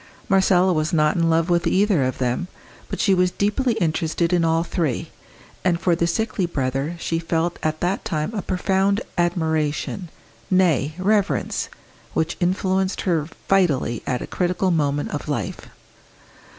Marcella was not in love with either of them, but she was deeply interested in all three, and for the sickly brother she felt at that time a profound admiration nay, reverence which influenced her vitally at a critical moment of life.